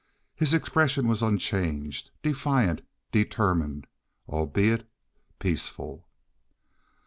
His expression was unchanged—defiant, determined, albeit peaceful.